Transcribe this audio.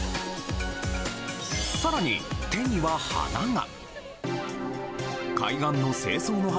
更に、手には花が。